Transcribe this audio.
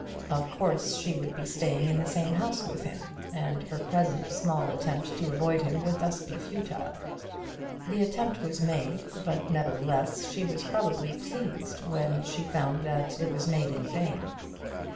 Of course she would be staying in the same house with him, and her present small attempt to avoid him would thus be futile. The attempt was made; but nevertheless she was probably pleased when she found that it was made in vain.